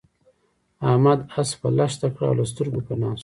احمد اسپه لښته کړه او له سترګو پنا شو.